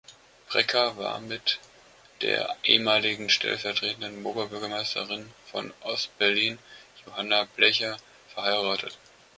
Blecha war mit der ehemaligen stellvertretenden Oberbürgermeisterin von Ost-Berlin, Johanna Blecha verheiratet.